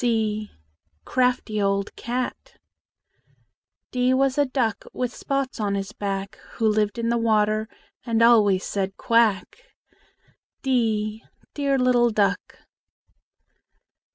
c Crafty old cat! D was a duck With spots on his back, Who lived in the water, And always said "Quack!" d Dear little duck!